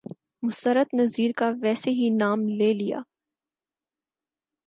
مسرت نذیر کا ویسے ہی نام لے لیا۔